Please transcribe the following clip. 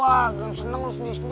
jangan seneng lo sendiri sendiri